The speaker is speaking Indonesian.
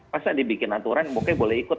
pas ada bikin aturan bukannya boleh ikut